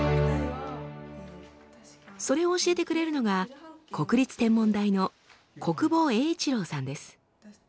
それを教えてくれるのが国立天文台の小久保英一郎さんです。